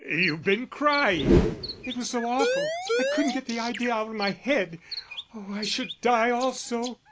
"You've been crying!" "It was so awful, I couldn't get the idea out of my head.... Oh, I should die also."